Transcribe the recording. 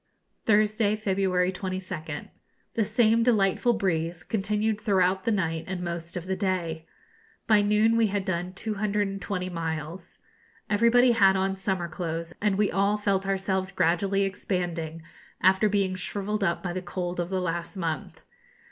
Thursday, February 22nd. The same delightful breeze continued throughout the night and most of the day. By noon we had done 220 miles. Everybody had on summer clothes, and we all felt ourselves gradually expanding after being shrivelled up by the cold of the last month.